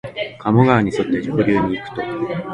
加茂川にそって上流にいくと、